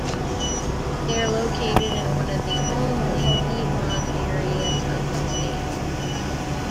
They are located in one of the only piedmont areas of the state.